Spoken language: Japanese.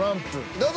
どうぞ。